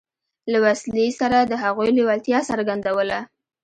له وسلې سره د هغوی لېوالتیا څرګندوله.